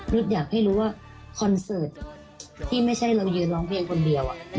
อยากให้รู้ว่าคอนเสิร์ตที่ไม่ใช่เรายืนร้องเพลงคนเดียว